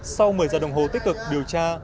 sau một mươi giờ đồng hồ tích cực điều tra